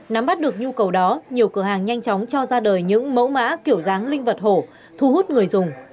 nắm bắt được nhu cầu đó nhiều cửa hàng nhanh chóng cho ra đời những mẫu mã kiểu dáng linh vật hổ thu hút người dùng